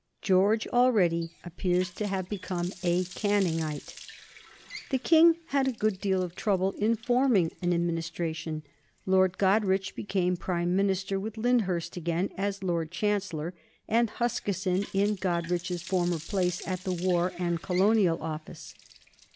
George already appears to have become a Canningite. The King had a good deal of trouble in forming an Administration. Lord Goderich became Prime Minister, with Lyndhurst again as Lord Chancellor, and Huskisson in Goderich's former place at the War and Colonial Office.